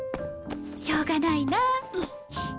しょうがないなあ。